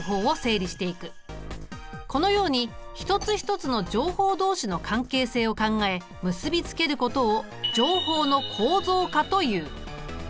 このように一つ一つの情報どうしの関係性を考え結び付けることを情報の構造化という。